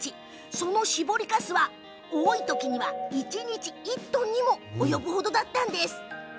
その搾りかすは、多い時には一日１トンにも及ぶ程だったんです。